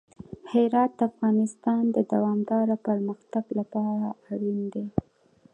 هرات د افغانستان د دوامداره پرمختګ لپاره اړین دي.